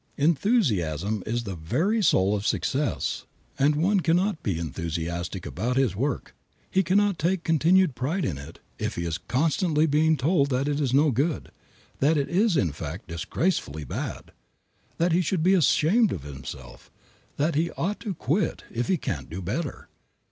Enthusiasm is the very soul of success and one cannot be enthusiastic about his work, he cannot take continued pride in it, if he is constantly being told that it is no good, that it is in fact disgracefully bad, that he should be ashamed of himself, and that he ought to quit if he can't do better.